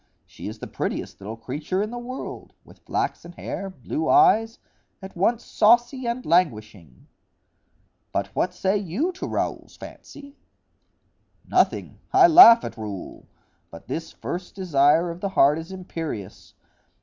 She is the prettiest little creature in the world, with flaxen hair, blue eyes,—at once saucy and languishing." "But what say you to Raoul's fancy?" "Nothing—I laugh at Raoul; but this first desire of the heart is imperious.